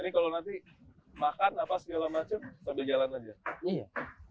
ini kalau nanti makan apa segala macam sambil jalan aja